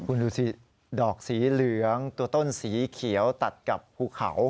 คุณดูสิดอกสีเหลืองตัวต้นสีเขียวตัดกับภูเขา